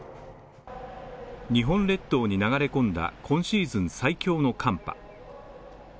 日本列島に流れ込んだ今シーズン最強の寒波。